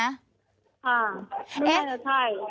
ค่ะไม่น่าจะใช่